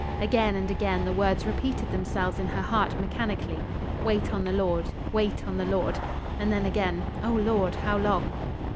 Again and again the words repeated themselves in her heart mechanically: "Wait on the Lord Wait on the Lord," and then, again, "Oh, Lord, how long?"